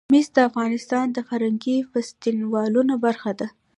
مس د افغانستان د فرهنګي فستیوالونو برخه ده.